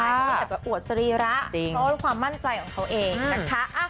เขาอาจจะอวดสรีระเพราะว่าความมั่นใจของเขาเองนะคะ